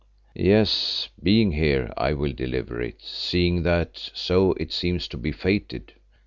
"Yes, being here, I will deliver it, seeing that so it seems to be fated.